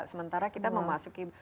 sementara kita memasuki